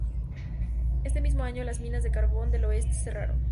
Ese mismo año las minas de carbón del oeste cerraron.